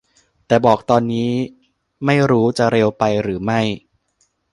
แต่บอกตอนนี้ไม่รู้จะเร็วไปหรือไม่